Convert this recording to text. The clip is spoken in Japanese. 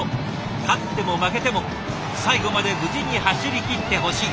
勝っても負けても最後まで無事に走り切ってほしい。